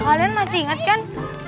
kalian masih ingat kan